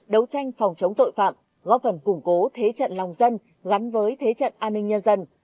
đấu tranh phòng chống tội phạm góp phần củng cố thế trận lòng dân gắn với thế trận an ninh nhân dân